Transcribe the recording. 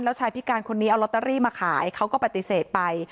แล้วชายพิการคนนี้เอาลอตเตอรี่มาขายเขาก็ปฏิเสธไป